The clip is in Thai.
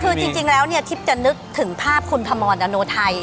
คือจริงแล้วเนี่ยทิพย์จะนึกถึงภาพคุณพมรดโนไทย